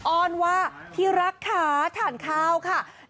ออนว่าพี่รักขาถ่านเคร้าถ่านเคร้าค่ะ